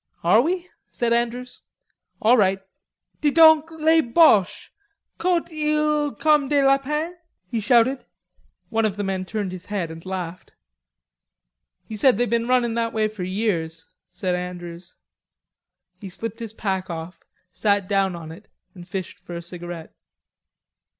"Are we?" said Andrews. "All right.... Dites donc, les Boches courent ils comme des lapins?" he shouted. One of the men turned his head and laughed. "He says they've been running that way for four years," said Andrews. He slipped his pack off, sat down on it, and fished for a cigarette.